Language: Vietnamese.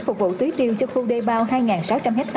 phục vụ tí tiêu cho khu đê bao hai sáu trăm linh hectare